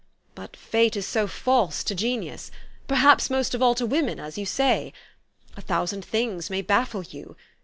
But fate is so false to genius ! 130 THE STORY OF AVIS. perhaps most of all to women, as you say. A thou sand things may baffle you.